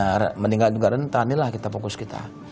ya meninggal juga rentan inilah kita fokus kita